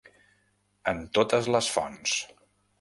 En totes les fonts.